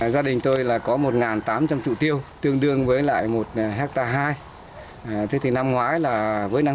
gia đình tôi là có một tám trăm linh trụ tiêu tương đương với lại một hectare hai thế thì năm ngoái là với năng